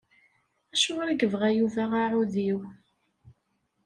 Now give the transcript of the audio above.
Acuɣer i yebɣa Yuba aɛudiw?